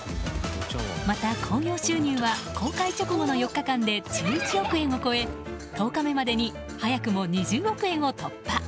また興行収入は公開直後の４日間で１１億円を超え１０日目までに早くも２０億円を突破。